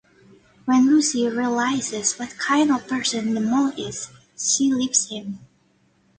When Lucie realises what kind of person the Monk is, she leaves him.